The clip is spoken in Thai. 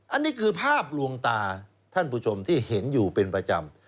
อันนี้คือภาพลวงตาท่านผู้ชมที่เห็นอยู่เป็นประจำ